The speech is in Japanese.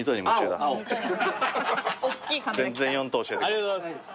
ありがとうございます。